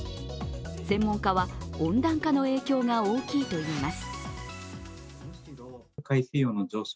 専門家は、温暖化の影響が大きいといいます。